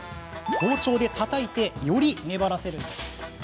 包丁でたたいてより粘らせるんです。